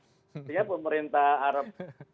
sebenarnya pemerintah arab